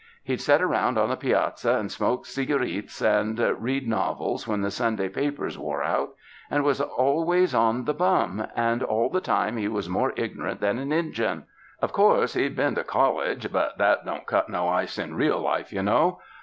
He'd set around on the piazza and smoke cigareets and read novels when the Sunday papers wore out, and was always on the bum, and all the time he was more ignorant than an Injun. Of course, he'd been to college; but that don't cut no ice in real life, you know.